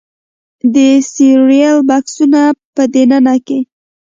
د سیریل بکسونو په دننه کې